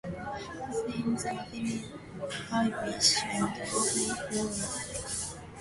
His themes are very Irish and often rural; greyhounds, Irish Travellers, and the landscape.